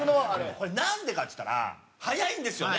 これなんでかって言ったら早いんですよね